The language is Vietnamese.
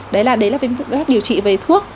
đấy là phương pháp điều trị về thuốc